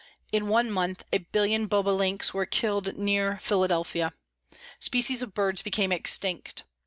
In one month a million bobolinks were killed near Philadelphia. Species of birds became extinct.